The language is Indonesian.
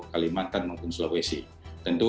kalimantan maupun sulawesi tentu